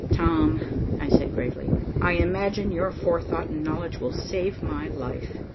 "Tom," I said gravely, "I imagine your forethought and knowledge will save my life."